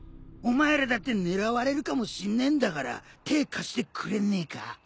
お前らだって狙われるかもしんねえんだから手ぇ貸してくれねえか？